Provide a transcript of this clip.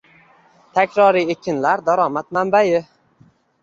Takroriy ekinlar - daromad manbaing